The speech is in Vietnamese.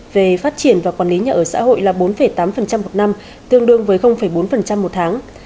về phát triển và quản lý nhà ở xã hội là bốn tám một năm tương đương với bốn một tháng